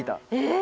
え！